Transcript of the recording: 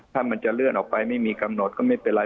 ถ้ามันจะเลื่อนออกไปไม่มีกำหนดก็ไม่เป็นไร